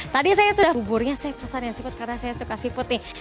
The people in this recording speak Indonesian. tadi saya sudah buburnya saya pesan yang seafood karena saya suka seafood nih